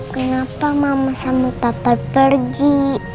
kenapa mama sama papa pergi